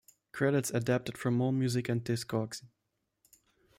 Credits adapted from AllMusic and Discogs.